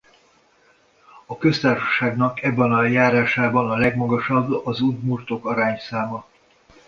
A köztársaságnak ebben a járásában a legmagasabb az udmurtok arányszáma.